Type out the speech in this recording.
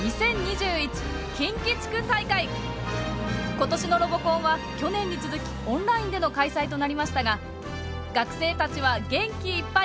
今年のロボコンは去年に続きオンラインでの開催となりましたが学生たちは元気いっぱい！